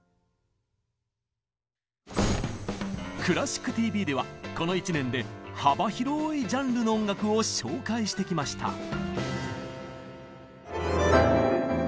「クラシックＴＶ」ではこの１年で幅広いジャンルの音楽を紹介してきました。